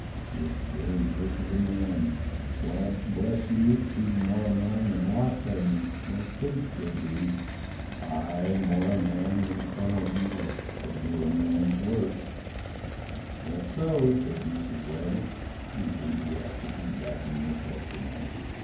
This Jerry Jerk is a man; why, bless you, he's more a man than lots of 'em what thinks they be. Aye, more a man than some of 'em wot's a doin' man's work." "That's so," said Mrs. Waggetts, enthusiastically backing the sexton up.